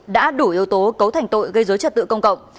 đã đủ yếu tố cấu thành tội gây dối trật tự công cộng